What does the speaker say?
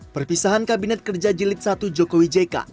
perpisahan kabinet kerja jilid satu jokowi jk